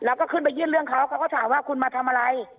แล้วก็ขึ้นไปยื่นเรื่องเขาเขาก็ถามว่าคุณมาทำอะไร